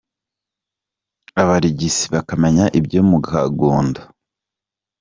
Abarigisi : Bakamenya ibyo mu Kagondo.